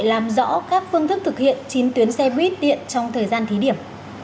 làm rõ các phương thức thực hiện chín tuyến xe buýt điện trong thời gian thí điểm